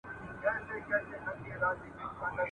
یوه ورځ به خپلي غوښي تر دېګدان وړي ..